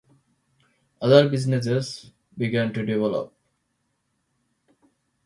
Other businesses began to develop.